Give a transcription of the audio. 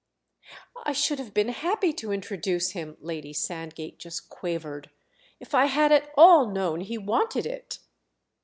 "I should have been happy to introduce him," Lady Sandgate just quavered—"if I had at all known he wanted it."